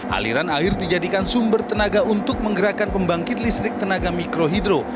aliran air dijadikan sumber tenaga untuk menggerakkan pembangkit listrik tenaga mikrohidro